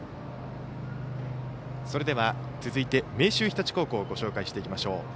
それでは続いて明秀日立高校をご紹介していきましょう。